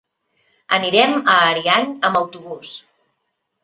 Anirem a Ariany amb autobús.